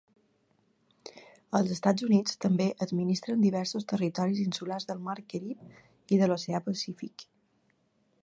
Els Estats Units també administren diversos territoris insulars del mar Carib i de l'oceà Pacífic.